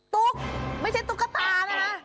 ตุ๊กไม่ใช่ตุ๊กตานะคะ